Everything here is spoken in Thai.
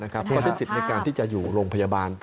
ก็ใช้สิทธิ์ในการที่จะอยู่โรงพยาบาล